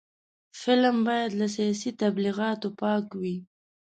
فلم باید له سیاسي تبلیغاتو پاک وي